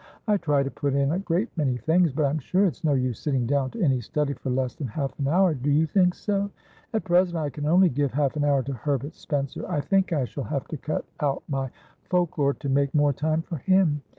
I try to put in a great many things, but I'm sure it's no use sitting down to any study for less than half an hourdo you think so? At present I can only give half an hour to Herbert SpencerI think I shall have to cut out my folk lore to make more time for him.